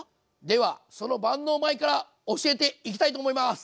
ではその万能米から教えていきたいと思います。